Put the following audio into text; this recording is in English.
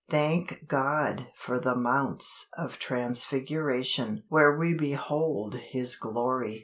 Thank God for the mounts of transfiguration where we behold His glory!